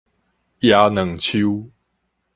椰卵樹